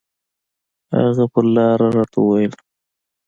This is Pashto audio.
هغه پر لاره راته وويل.